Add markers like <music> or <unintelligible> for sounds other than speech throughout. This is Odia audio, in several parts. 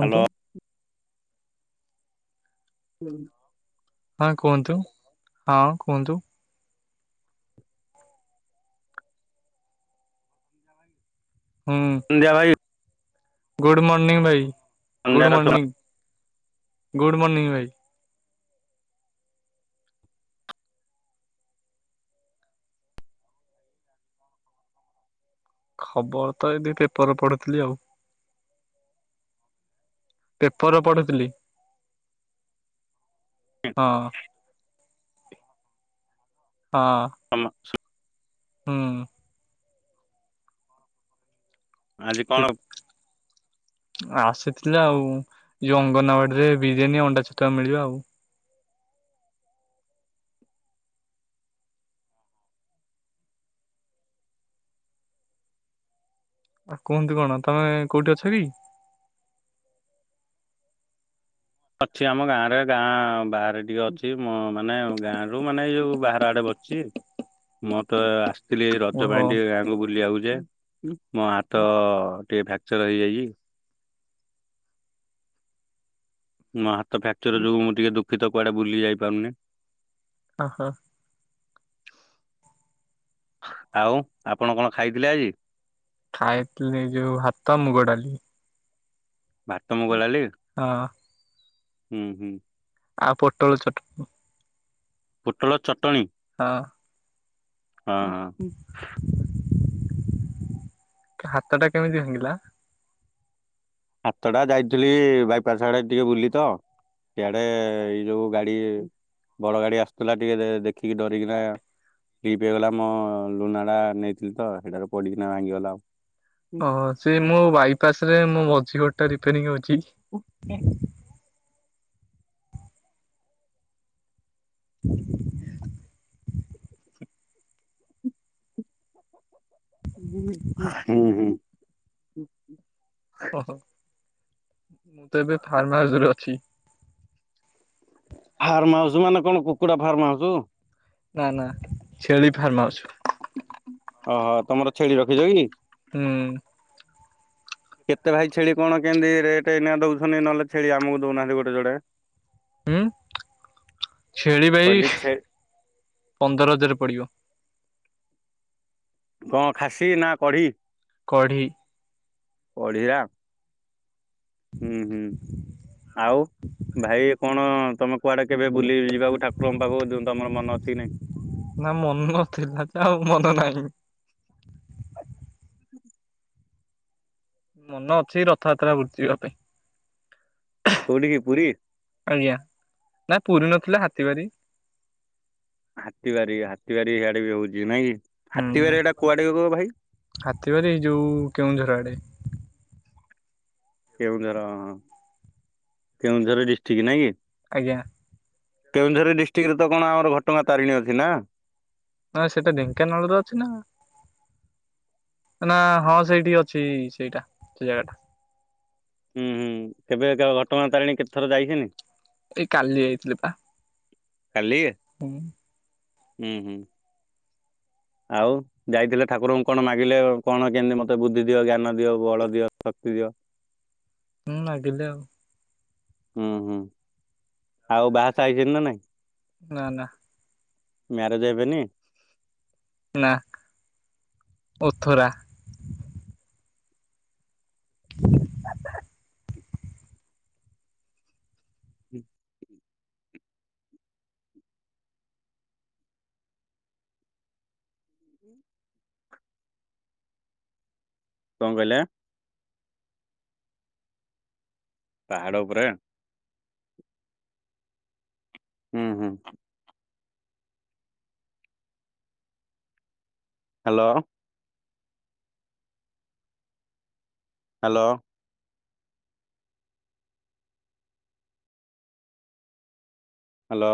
ହ୍ୟାଲୋ ହୁଁ ହଁ କୁହନ୍ତୁ -ହଁ କୁହନ୍ତୁ। ହୁଁ। <unintelligible> ଭାଇ। ଗୁଡ଼ ମର୍ନିଂ ଭାଇ -ଗୁଡ଼ ସନ୍ଧ୍ୟାର ଶୁଣ ମର୍ନିଂ- ଗୁଡ଼ ମର୍ନିଂ ଭାଇ। ଖବର୍ ତ ଏବେ ପେପର୍ ପଢୁଥିଲି ଆଉ। ପେପର ପଢୁଥିଲି। ହଁ- ହଁ। <unintelligible> ହଁ। ଆଜି କଣ? ଆସିଥିଲା ଆଉ ଯୋଉ ଅଙ୍ଗନବାଡିରେ ବିରିୟାନୀ ଅଣ୍ଡା ଛତୁଆ ମିଳିବ ଆଉ। ଆଉ କୁହନ୍ତୁ କଣ ତମେ କୋଉଠି ଅଛ କି? ଅଛି ଆମ ଗାଁ ରେ ଗାଁ ବାହାରେ ଟିକେ ଅଛି ମୋ ମାନେ ଗାଁ ରୁ ମାନେ ଏଇ ଯୋଉ ବାହାର ଆଡେ ବସି ମୋ ତ ଆ ଥିଲି ରଜ ଓହୋ ପାଇଁ ଟିକେ ଗାଁ କୁ ବୁଲିିବାକୁ ଯେ ମୋ ହାତ ଟିକେ ଫ୍ରାକ୍ଚର ହେଇଯାଇଚି। ମୋ ହାତ ଫ୍ରାକ୍ଚର ଯୋଗୁ ମୁଁ ଟିକେ ଦୁଃଖିତ କୁଆଡେ ବୁଲି ଯାଇ ପାରୁନି। ଓହୋ। ଆଉ ଆପଣ କଣ ଖାଇଥିଲେ ଆଜି? ଖାଇଥିଲି ଯୋଉ ହାତ ମୁଗ ଡାଲି। ଭାତ ମୁଁ ଗଲାଲି? ହଁ। ହୁଁ ହୁଁ। ଆଉ ପୋଟଳ ଚଟ ପୋଟଳ ଚଟଣି? ହଁ। ହଁ ହଁ। ହାତ ଟା କେମିତି ଭାଙ୍ଗିଲା? ହାତଟା ଯାଇଥିଲି- ବାଇପାସ ଆଡେ ଟିକେ ବୁଲି ତ। ସେଆଡେ ଏଇ ଯୋଉ ଗାଡି ବଡ ଗାଡି ଆସୁଥିଲା ଟିକେ ଦେଖିକି ଡରିକିନା ଲିପ୍ ହେଇଗଲା ମୋ ଲୁନାଟା ନେଇଥିଲି ତ ସେଇଟାରେ ପଡ଼ିକିନା ଭାଙ୍ଗିଗଲା ଆଉ। ହୁଁ ଓ ସେ ମୋ ବାଇପାସ ରେ ମୋ ମଝି ଗୋଟ ଟା ରିପୋରିଂ ଅଛି। <inaudible> <inaudible> <unintelligible> ଓହୋ ମୁଁ ତ ଏବେ ଫାର୍ମ ହାଉସରେ ଅଛି। ଫାର୍ମ ହାଉସୁ ମାନେ କଣ କୁକୁଡା ଫାର୍ମ ହାଉସୁ? ନା ନା ଛେଳି ଫାର୍ମାଉସୁ। ଓହୋ ତମର ଛେଳି ରଖିଛ କି? ହୁଁ। କେତେ ଭାଇ ଛେଳି କଣ କେମିତି ରେଟେ ଏଇନା ଦଉଛନ୍ତି? ନହେଲେ ଛେଳି ଆମକୁ ଦଉନାହାନ୍ତି ଗୋଟେ ଜୋଡେ। ହୁଁ ଛେଳି ବାଇ କହିଲି ଛେ ପନ୍ଦର ହଜାର ପଡିବ। କଁ ଖାସି ନା କଢ଼ି? କଢ଼ି। ବଢିଆ। ହୁଁ ହୁଁ ଆଉ? ଭାଇ କଣ ତମେ କୁଆଡେ କେବେ ବୁଲି ଯିବାକୁ ଠାକୁରଙ୍କ ପାଖକୁ ତମର ମନ ଅଛି ନାଇଁ? ନା ମନ ନଥିଲା ଯେ ଆଉ ମନ ନାହିଁ। <inaudible> ମନ ଅଛି ରଥଯାତ୍ରା <unintelligible> ପାଇଁ କଉଠୀ କି ପୁରୀ? ଆଜ୍ଞା ନା ପୁରୀ ନଥିଲା ହାତୀ ବାରି ହାତୀବାରି ହାତୀବାରି ଇଆଡେ ବି ହଉଛି ନାଇଁ କି? ହାତୀ ବାରି ଏଟା କୁଆଡେ ଗୋ ଭାଇ? ହାତିବାରୀ ଯୋଉ କେଉଁଝର ଆଡେ। କେଉଁଝର କେଉଁଝର ଡିଷ୍ଟ୍ରିକ୍ଟ ନାଇଁ କି? ଆଜ୍ଞା। କେଉଁଝରରେ ଡିଷ୍ଟିକରେ ତ କଣ ଆମର ଘଟଗାଁ ତାରିଣୀ ଅଛି ନା। <unintelligible> ସେଟା ଢେଙ୍କାନାଳରେ ଅଛି ନା। ନା ହଁ ସେଇଠି ଅଛି ସେଇଟା ସେ ଜାଗା ଟା। ହୁଁ ହୁଁ କେବେ କ ଘଟଗାଁ ତାରିଣୀ କେତେଥର ଯାଇ। <unintelligible> ଏଇ କାଲି ଯାଇଥିଲି ପା ହୁଁ। ଉଁହୁଁ। ଆଉ ଯାଇଥିଲେ ଠାକୁରଙ୍କୁ କଣ ମାଗିଲେ କଣ କେନ୍ତି ମତେ ବୁଦ୍ଧି ଦିଅ ଜ୍ଞାନ ଦିଅ ବଳ ଦିଅ ଶକ୍ତି ଦିଅ। ଉଁ ମାଗିଲେ ଆଉ। ଉଁହୁଁ ଆଉ ବାହା ସା ହେଇଚନ୍ତି ନା ନାଇଁ। ନା ନା। ମ୍ୟାରେଜ ହେବେନି। ନା ଓଥୋରା। <unintelligible> <unintelligible> କଁ କହିଲା ପାହାଡ <unintelligible> ହୁଁ ହୁଁ। ହାଲୋ। ହାଲୋ। ହାଲୋ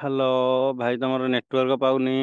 ହାଲୋ ଭାଇ ତମର ନେଟୱାର୍କ ପାଉନି।